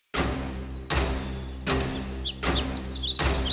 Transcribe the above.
สวัสดีครับสวัสดีครับ